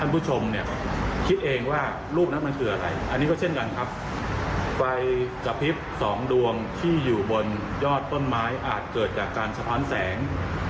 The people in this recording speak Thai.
เป็นเมื่อยอดต้นไม้อาจเกิดจากการสะพ้ันแสง